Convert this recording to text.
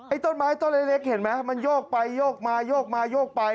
ต้นไม้ต้นเล็กเห็นไหมมันโยกไปโยกมาโยกมาโยกไป